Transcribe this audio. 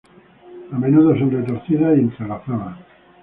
A menudo son retorcidas y entrelazadas.